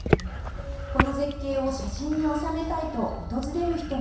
この絶景を写真に収めたいと訪れる人も多いそうです